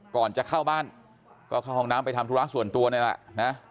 ก่อนจะเข้าบ้านก็เข้าห้องน้ำไปทำธุระส่วนตัวนี่แหละนะ